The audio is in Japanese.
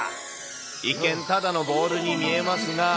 一見、ただのボールに見えますが。